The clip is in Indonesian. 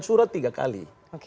surat tiga kali